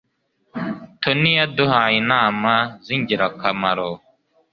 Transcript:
Tony yaduhaye inama zingirakamaro.